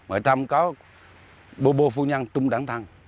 ở trong có bô bô phu nhăn trung đảng thăng